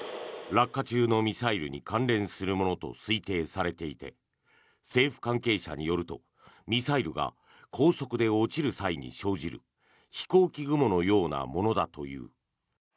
落下中のミサイルに関連するものと推定されていて政府関係者によると、ミサイルが高速で落ちる際に生じる飛行機雲のようなものだという。